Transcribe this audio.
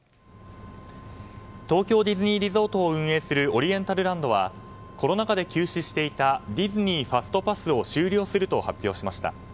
東京ディズニーリゾートを運営するオリエンタルランドはコロナ禍で休止していたディズニー・ファストパスを終了すると発表しました。